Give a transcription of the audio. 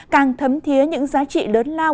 càng thấm thiế những giá trị lớn lao